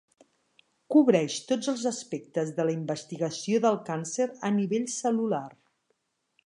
Cobreix tots els aspectes de la investigació del càncer a nivell cel·lular.